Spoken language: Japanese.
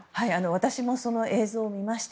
私もその映像を見ました。